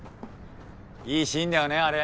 いいシーンだよねあれ。